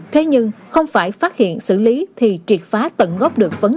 thế nhưng không phải phát hiện xử lý thì triệt phá tận gốc được phấn đối